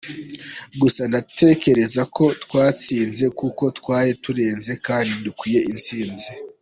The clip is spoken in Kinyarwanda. Gusa ndatekereza ko twatsinze kuko twari turenze kandi dukwiye intsinzi.